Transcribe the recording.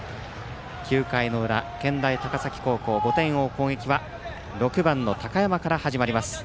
９回の裏、健大高崎高校５点を追う攻撃は６番の高山から始まります。